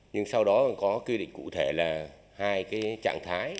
nhưng sau đó còn có quy định cụ thể là hai trạng thái